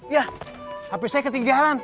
ya hape saya ketinggalan